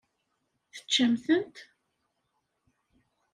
Teččam-tent?